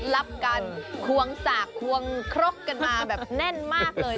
รับการควงสากควงครกกันมาแบบแน่นมากเลย